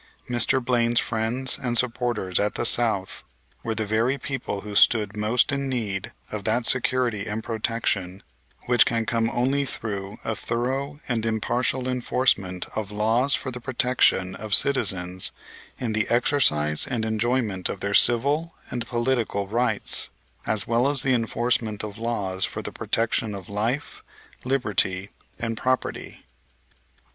Mr. Blaine's friends and supporters at the South were the very people who stood most in need of that security and protection which can come only through a thorough and impartial enforcement of laws for the protection of citizens in the exercise and enjoyment of their civil and political rights, as well as the enforcement of laws for the protection of life, liberty and property.